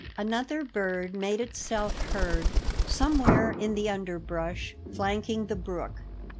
Another bird made itself heard somewhere in the underbrush flanking the brook.